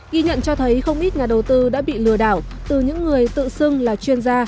ghi nhận cho thấy không ít nhà đầu tư đã bị lừa đảo từ những người tự xưng là chuyên gia